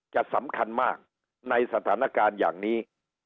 จะสำคัญมากในสถานการณ์อย่างนี้